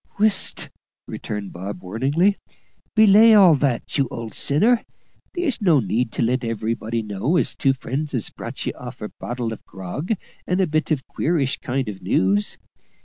"Whisht!" returned Bob warningly. "Belay all that, you old sinner; there's no need to let everybody know as two friends has brought ye off a bottle of grog and a bit of queerish kind of news.